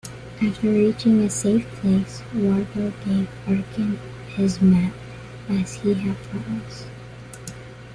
After reaching a safe place, Warbow gave Arkon his map as he had promised.